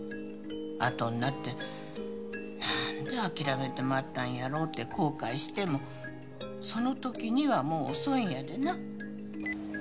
あとになって何で諦めてまったんやろうって後悔してもその時にはもう遅いんやでな